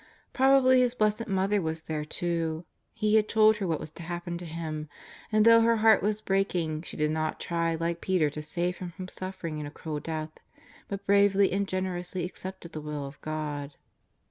Probably His Blessed Mother was there, too. He had told her what was to happen to Him, and though her heart was breaking, she did not try like Peter to save Him from suffering and a cruel death, but bravely and generously accepted the Will of God.